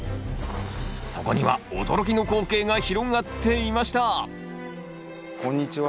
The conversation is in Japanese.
そこには驚きの光景が広がっていましたこんにちは。